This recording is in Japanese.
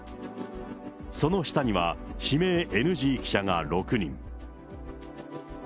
その下には、指名ＮＧ記者が６人。